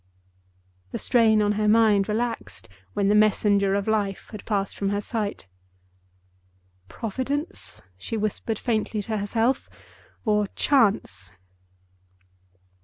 The strain on her mind relaxed when the Messenger of Life had passed from her sight. "Providence?" she whispered faintly to herself. "Or chance?"